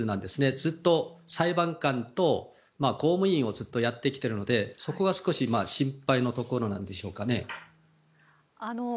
ずっと裁判官と公務員をやってきているのでそこは少し心配なところなんでしょうかね。